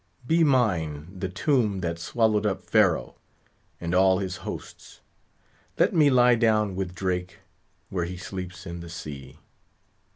Be mine the tomb that swallowed up Pharaoh and all his hosts; let me lie down with Drake, where he sleeps in the sea.